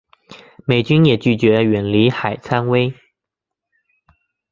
美军也拒绝远离海参崴。